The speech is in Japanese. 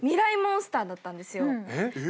えっ？